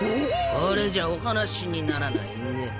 これじゃお話にならないね。